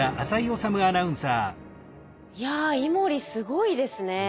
いやイモリすごいですね。